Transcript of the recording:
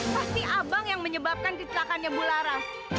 pasti abang yang menyebabkan kecelakaannya bularas